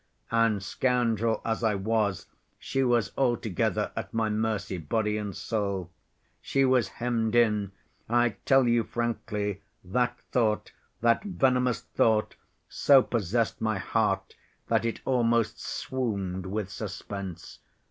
And, scoundrel as I was, she was altogether at my mercy, body and soul. She was hemmed in. I tell you frankly, that thought, that venomous thought, so possessed my heart that it almost swooned with suspense.